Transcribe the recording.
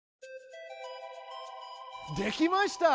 できました！